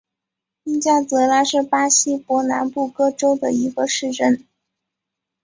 因加泽拉是巴西伯南布哥州的一个市镇。